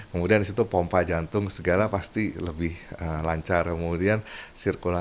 kemudian di situ pompa jantung segala pasti lebih lancar